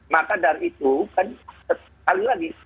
maka dari itu kan sekali lagi